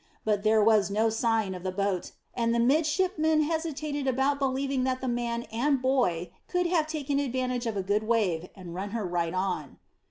But there was no sign of the boat, and the midshipman hesitated about believing that the man and boy could have taken advantage of a good wave and run her right on.